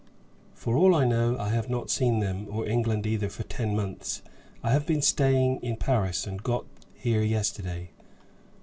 "For all I know; I have not seen them, or England either, for ten months. I have been staying in Paris, and got here yesterday."